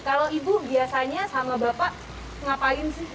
kalau ibu biasanya sama bapak ngapain sih